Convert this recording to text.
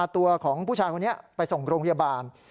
ตัวของผู้ชายคนนี้ไปส่งโรงพยาบาล